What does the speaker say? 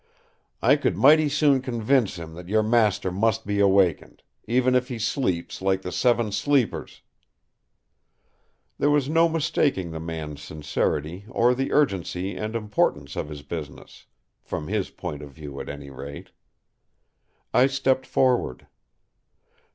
I could mighty soon convince him that your master must be awakened; even if he sleeps like the Seven Sleepers—" There was no mistaking the man's sincerity, or the urgency and importance of his business; from his point of view at any rate. I stepped forward.